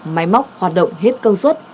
máy móc hoạt động hết công suất